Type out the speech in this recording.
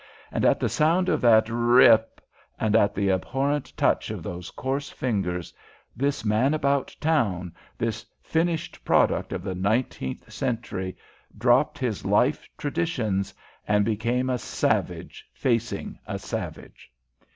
And at the sound of that r r rip, and at the abhorrent touch of those coarse fingers, this man about town, this finished product of the nineteenth century, dropped his life traditions and became a savage facing a savage.